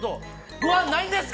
ごはん、ないんですか。